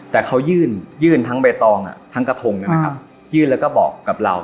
แต่เขายื่นยื่นทั้งใบตองทั้งกระทงยื่นแล้วก็บอกกับเรา